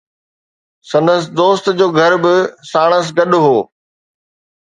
سندس دوست جو گهر به ساڻس گڏ هو.